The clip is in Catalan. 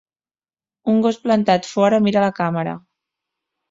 Un gos plantat fora mira la càmera.